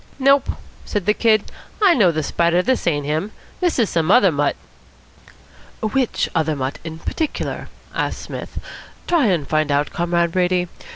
"Nope," said the Kid. "I know the Spider. This ain't him. This is some other mutt." "Which other mutt in particular?" asked Psmith. "Try and find out, Comrade Brady.